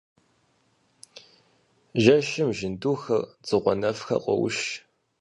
Жэщым жьындухэр, дзыгъуэнэфхэр къоуш.